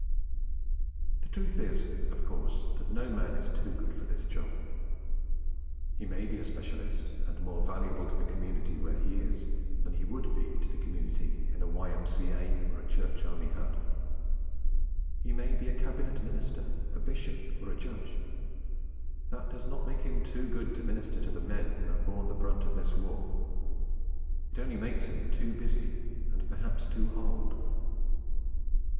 The truth is, of course, that no man is too good for this job. He may be a specialist, and more valuable to the community where he is than he would be (to the community) in a Y.M.C.A. or a Church Army hut. He may be a Cabinet Minister, a Bishop, or a Judge: that does not make him too good to minister to the men who have borne the brunt of this war: it only makes him too busy and perhaps too old.